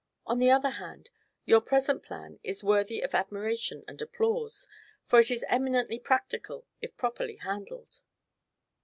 On the other hand, your present plan is worthy of admiration and applause, for it is eminently practical if properly handled."